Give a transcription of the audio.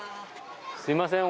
すいません